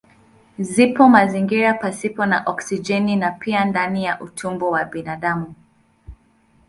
Ziko mazingira pasipo na oksijeni na pia ndani ya utumbo wa binadamu.